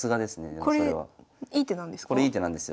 これいい手なんですよ。